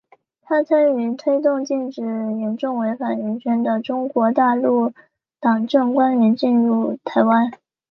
她参与推动禁止严重违反人权的中国大陆党政官员进入台湾。